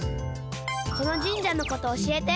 この神社のことおしえて。